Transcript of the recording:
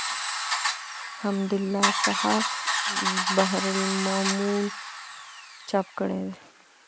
حمدالله صحاف بحر الملوم چاپ کړی دﺉ.